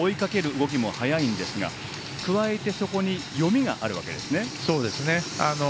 動きも速いんですが加えてそこに読みがあるわけですね。